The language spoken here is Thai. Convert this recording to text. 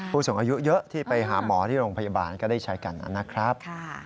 ผู้สูงอายุเยอะที่ไปหาหมอที่โรงพยาบาลก็ได้ใช้กันนะครับ